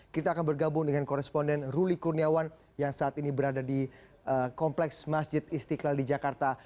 kita akan bergabung dengan koresponden ruli kurniawan yang saat ini berada di kompleks masjid istiqlal di jakarta